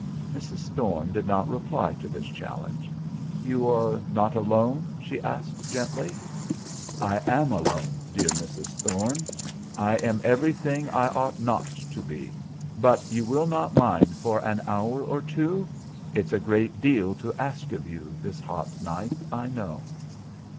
Mrs. Thorne did not reply to this challenge. "You are not alone?" she asked gently. "I am alone, dear Mrs. Thorne. I am everything I ought not to be. But you will not mind for an hour or two? It's a great deal to ask of you, this hot night, I know."